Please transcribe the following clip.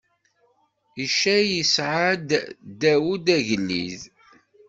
Icay isɛa-d Dawed, agellid.